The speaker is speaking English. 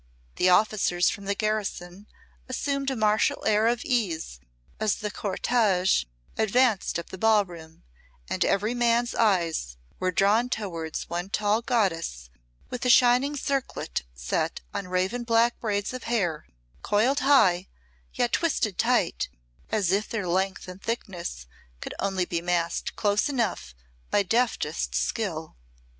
The officers from the garrison assumed a martial air of ease as the cortége advanced up the ballroom, and every man's eyes were drawn towards one tall goddess with a shining circlet set on raven black braids of hair coiled high, yet twisted tight, as if their length and thickness could only be massed close enough by deftest skill.